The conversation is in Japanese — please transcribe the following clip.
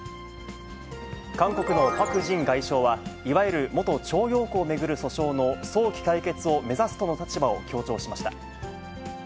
韓国のパク・ジン外相は、いわゆる元徴用工を巡る訴訟の早期解決を目指すとの立場を強調しました。